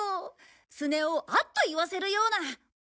スネ夫をあっと言わせるような。